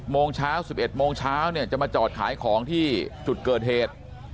โมงเช้า๑๑โมงเช้าเนี่ยจะมาจอดขายของที่จุดเกิดเหตุ